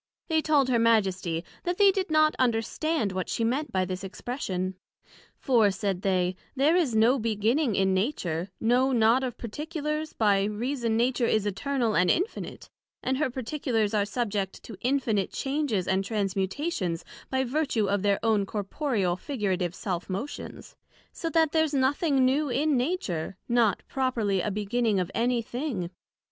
They told her Majesty, That they did not understand what she meant by this expression; For, said they, there is no beginning in Nature, no not of Particulars; by reason Nature is Eternal and Infinite, and her particulars are subject to infinite changes and transmutations by vertue of their own Corporeal, figurative self motions; so that there's nothing new in Nature, not properly a beginning of any thing.